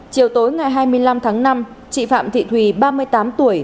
chiều tối ngày hai mươi năm tháng năm chị phạm thị thùy ba mươi tám tuổi